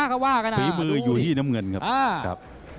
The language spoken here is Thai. ฝีมืออยู่ที่น้ำเงินครับ